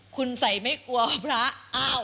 คุณสัยไม่กลัวพระอ้าว